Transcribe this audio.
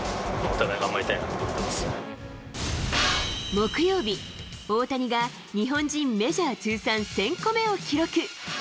木曜日、大谷が日本人メジャー通算１０００個目を記録。